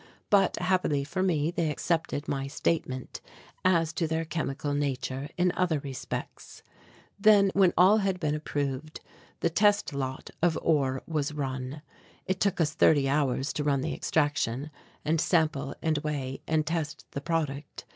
But happily for me they accepted my statement as to their chemical nature in other respects. Then when all had been approved the test lot of ore was run. It took us thirty hours to run the extraction and sample and weigh and test the product.